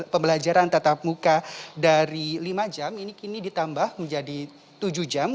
pembelajaran tatap muka dari lima jam ini kini ditambah menjadi tujuh jam